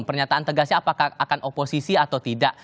pernyataan tegasnya apakah akan oposisi atau tidak